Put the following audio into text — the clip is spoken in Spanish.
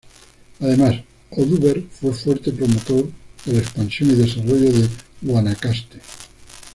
Además, Oduber fue fuerte promotor de la expansión y desarrollo de Guanacaste.